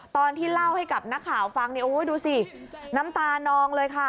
ตอนที่เล่าให้กับนักข่าวฟังเนี่ยโอ้ยดูสิน้ำตานองเลยค่ะ